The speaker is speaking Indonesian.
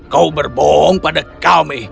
kau berbohong pada kami